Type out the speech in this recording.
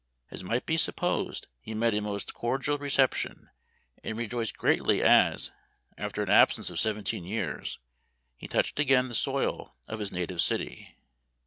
As might be supposed, he met a most cordial reception, and rejoiced greatly as, after an ab sence of seventeen years, he touched again the soil of his native city.